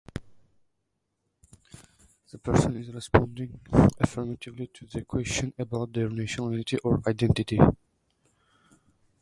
The person is responding affirmatively to the question about their nationality or identity.